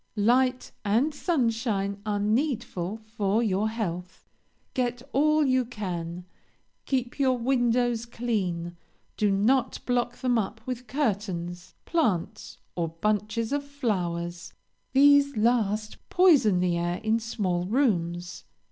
"Light and sunshine are needful for your health. Get all you can; keep your windows clean. Do not block them up with curtains, plants, or bunches of flowers; these last poison the air, in small rooms.